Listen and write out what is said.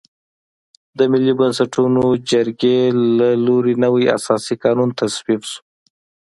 د ملي بنسټګرې جرګې له لوري نوی اساسي قانون تصویب شو.